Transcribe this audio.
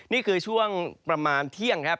นี่คือช่วงประมาณเที่ยงครับ